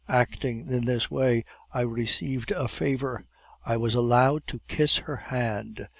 Acting in this way, I received a favor I was allowed to kiss her hand.